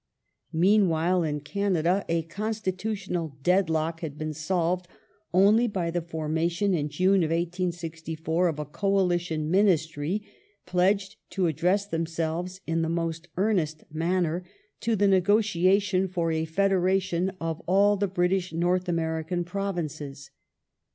Meanwhile in Canada a constitutional deadlock had been solved only by the formation in June, 1864, of a Coalition Ministry, pledged to address themselves in the most earnest manner to the negotia tion for a federation of all the British North American Provinces.